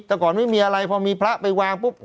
แต่ก่อนไม่มีอะไรพอมีพระไปวางปุ๊บ